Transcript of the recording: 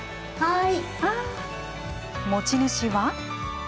持ち主は。